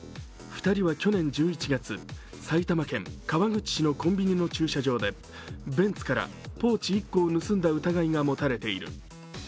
２人は去年１１月、埼玉県川口市のコンビニの駐車場でベンツからポーチ１個を盗んだ疑いが持たれている。